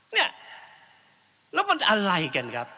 เนี่ยแล้วมันอะไรกันครับ